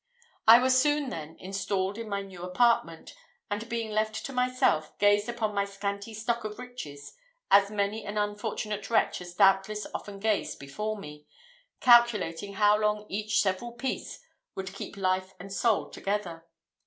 I was soon, then, installed in my new apartment; and being left to myself, gazed upon my scanty stock of riches, as many an unfortunate wretch has doubtless often gazed before me, calculating how long each several piece would keep life and soul together.